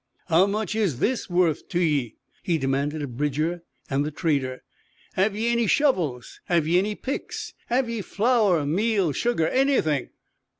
"How much is this worth to ye?" he demanded of Bridger and the trader. "Have ye any shovels? Have ye any picks? Have ye flour, meal, sugar anything?"